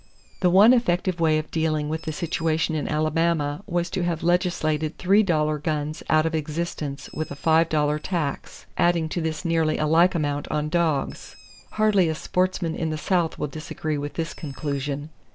The one effective way of dealing with the situation in Alabama was to have legislated three dollar guns out of existence with a five dollar tax, adding to this nearly a like amount on dogs. Hardly a sportsman in the South will disagree with this conclusion.